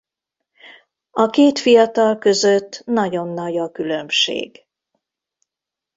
A két fiatal között nagyon nagy a különbség.